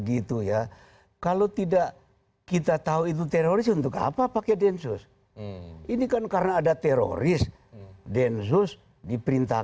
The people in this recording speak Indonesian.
itu dikatakan sebagai tersangka dia baru tertuduh